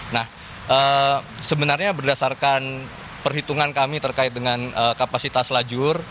nah sebenarnya berdasarkan perhitungan kami terkait dengan kapasitas lajur